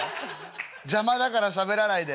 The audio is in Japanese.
邪魔だからしゃべらないで」。